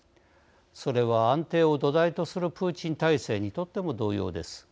それは安定を土台とするプーチン体制にとっても同様です。